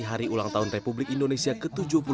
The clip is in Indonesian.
hari ulang tahun republik indonesia ke tujuh puluh dua